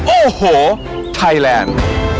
โอ้โหไทยแลนด์